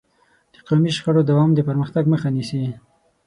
د قومي شخړو دوام د پرمختګ مخه نیسي.